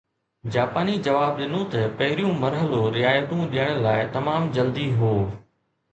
جاپاني جواب ڏنو ته پهريون مرحلو رعايتون ڏيڻ لاءِ تمام جلدي هو